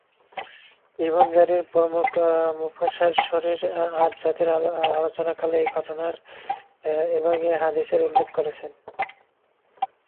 ইবন জারীর প্রমুখ মুফাসসির আদ জাতির আলোচনাকালে এ ঘটনার এবং এ হাদীসের উল্লেখ করেছেন।